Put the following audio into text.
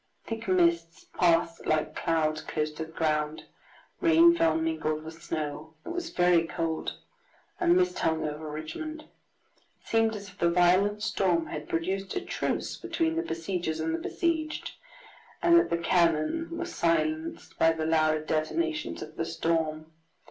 Thick mists passed like clouds close to the ground. Rain fell mingled with snow, it was very cold. A mist hung over Richmond. It seemed as if the violent storm had produced a truce between the besiegers and the besieged, and that the cannon were silenced by the louder detonations of the storm.